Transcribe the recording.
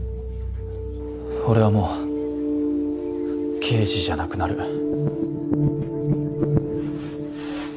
俺はもう刑事じゃなくなる。